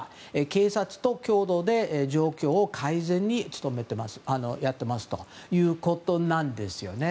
警察と共同で状況改善に努めていますということなんですよね。